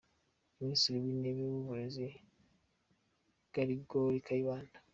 – Ministri w’intebe n’uw’uburezi: Gerigori Kayibanda,